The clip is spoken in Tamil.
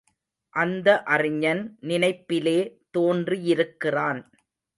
அந்த அறிஞன் நினைப்பிலே தோன்றியிருக்கிறான்.